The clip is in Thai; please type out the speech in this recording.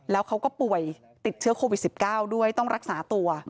แล้วเขาก็ป่วยติดเชื้อโควิด๑๙ด้วยต้องรักษาตัว